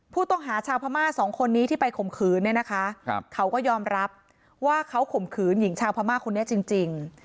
ผู้ต้องหาชาวพม่าสองคนนี้ที่ไปข่มขืนเนี่ยนะคะเขาก็ยอมรับว่าเขาข่มขืนหญิงชาวพม่าคนนี้จริง